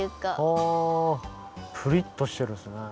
あプリッとしてるんですね。